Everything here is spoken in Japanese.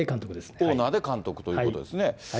オーナーで監督ということですね。